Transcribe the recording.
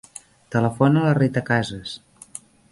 Telefona a la Rita Casas.